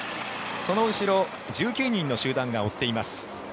その後ろ、１９人の集団が追っています。